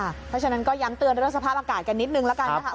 เพราะฉะนั้นก็ย้ำเตือนเรื่องสภาพอากาศกันนิดนึงแล้วกันนะคะ